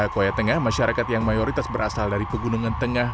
koya tengah masyarakat yang mayoritas berasal dari pegunungan tengah